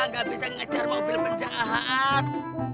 nggak bisa ngejar mobil penjahat